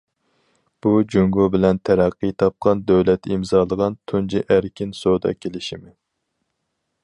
بۇ جۇڭگو بىلەن تەرەققىي تاپقان دۆلەت ئىمزالىغان تۇنجى ئەركىن سودا كېلىشىمى.